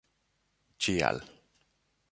ĉial